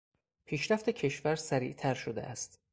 پیشرفت کشور سریعتر شده است.